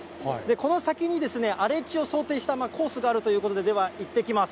この先にですね、荒れ地を想定したコースがあるということで、ではいってきます。